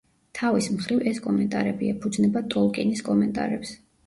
თავის მხრივ, ეს კომენტარები ეფუძნება ტოლკინის კომენტარებს.